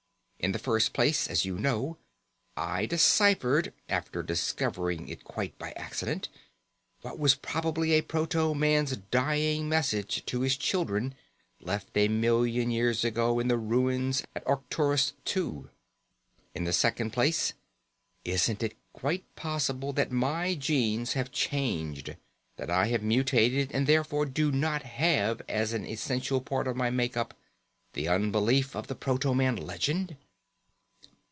In the first place, as you know, I deciphered after discovering it quite by accident what was probably a proto man's dying message to his children, left a million years ago in the ruins on Arcturus II. In the second place, isn't it quite possible that my genes have changed, that I have mutated and therefore do not have as an essential part of my make up the unbelief of the proto man legend?